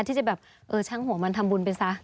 ที่จะแบบเออช่างหัวมันทำบุญไปซะ